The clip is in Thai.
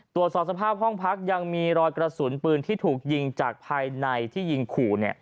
ตรวจสอบสภาพห้องพักยังมีรอยกระสุนปืนที่ถูกยิงจากภายในที่ยิงขู่